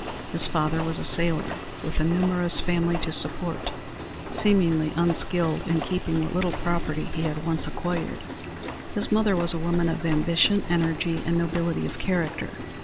His father was a sailor, with a numerous family to support, seemingly unskilled in keeping what little property he had once acquired. His mother was a woman of ambition, energy, and nobility of character.